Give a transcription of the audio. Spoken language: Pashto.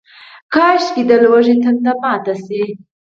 کاشکي، د لوږې تنده ماته شي